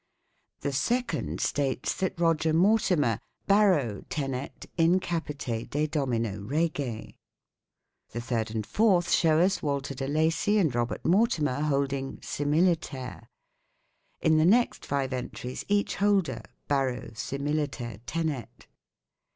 The second states that Roger Mortimer " baro tenet in capite de domino Rege ". The third and fourth show us Walter de Lacy and Robert Mortimer holding " similiter ". In the next five entries each holder " baro similiter tenet